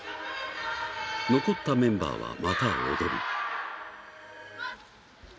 残ったメンバーはまた踊る。